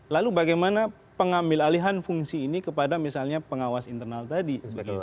lalu bagaimana pengambil alihan fungsi ini kepada misalnya pengawas internal tadi